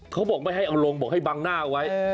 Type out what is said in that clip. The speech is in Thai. เขาบอกไม่ให้เอาลงบอกให้บังหน้าไว้